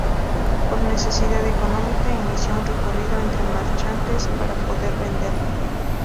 Por necesidad económica, inició un recorrido entre marchantes para poder venderla.